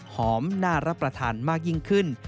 น่ารับประทานมากยิ่งขึ้น